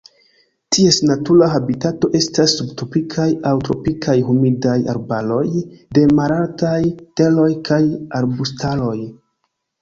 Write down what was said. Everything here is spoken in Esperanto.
Ties natura habitato estas subtropikaj aŭ tropikaj humidaj arbaroj de malaltaj teroj kaj arbustaroj.